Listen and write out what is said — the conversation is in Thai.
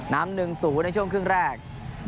น้ำหนึ่งสูงในช่วงครึ่งแรก